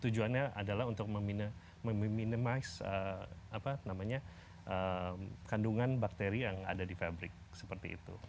tujuannya adalah untuk meminimize kandungan bakteri yang ada di pabrik seperti itu